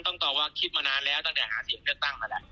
ต้องตอบว่าคิดมานานแล้วตั้งแต่หาเสียงเลือกตั้งมาแล้ว